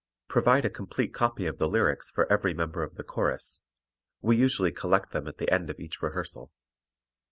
Provide a complete copy of the lyrics for every member of the chorus; we usually collect them at the end of each rehearsal.